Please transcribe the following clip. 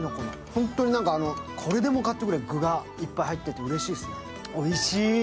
本当にこれでもかっていうぐらい具がたっぷり入っていてうれしいです。